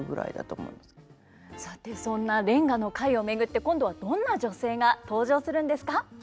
さてそんな連歌の会を巡って今度はどんな女性が登場するんですか？